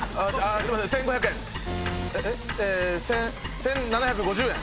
千１，７５０円。